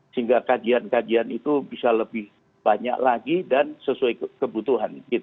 sehingga kajian kajian itu bisa lebih banyak lagi dan sesuai kebutuhan